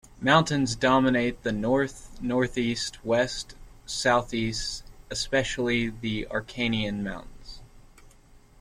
Mountains dominate the north, northeast, west and southeast, especially the Acarnanian Mountains.